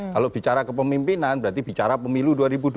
kalau bicara ke pemimpinan berarti bicara pemilu dua ribu dua puluh empat